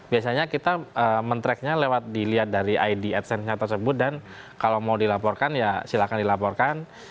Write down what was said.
biasanya kita men tracknya lewat dilihat dari id adsense nya tersebut dan kalau mau dilaporkan ya silahkan dilaporkan